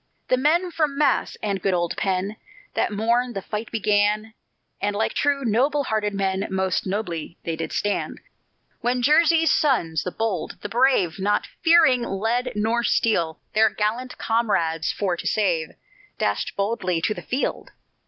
The men from Mass. and good old Penn. That morn the fight began, And like true, noble hearted men, Most nobly they did stand. When Jersey's sons, the bold, the brave, Not fearing lead nor steel, Their gallant comrades for to save, Dashed boldly to the field.